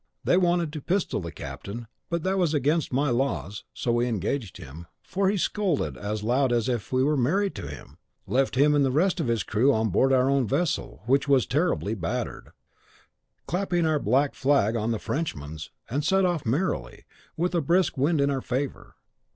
They wanted to pistol the captain, but that was against my laws: so we gagged him, for he scolded as loud as if we were married to him; left him and the rest of his crew on board our own vessel, which was terribly battered; clapped our black flag on the Frenchman's, and set off merrily, with a brisk wind in our favour.